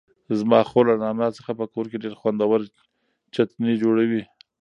زما خور له نعناع څخه په کور کې ډېر خوندور چتني جوړوي.